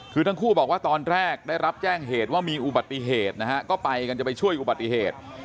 คือทั้งคู่บอกว่าตอนแรกได้รับแจ้งเหตุว่ามีอุบัติเหตุนะฮะก็ไปกันจะไปช่วยอุบัติเหตุ